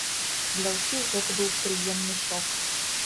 Для ўсіх гэта быў прыемны шок.